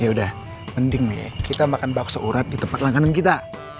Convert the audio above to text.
yaudah mending kita makan bakso urat di tempat langganan kita